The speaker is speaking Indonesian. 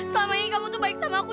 selama ini kamu tuh baik sama aku